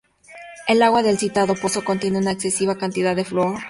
El agua del citado pozo contiene una excesiva cantidad de flúor.